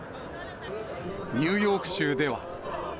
ニューヨーク州では。